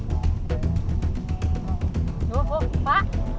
โอ้โหอุ๊ยฟะ